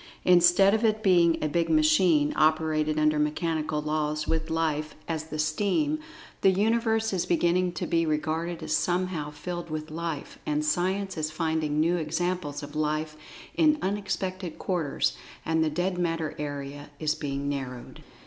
Instead of it being a big machine, operated under mechanical laws, with Life as the steam, the Universe is beginning to be regarded as somehow filled with Life, and Science is finding new examples of Life in unexpected quarters, and the "dead matter" area is being narrowed.